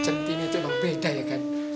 cantiknya cuman beda ya kan